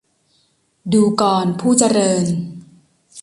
ดูกร ผู้เจริญ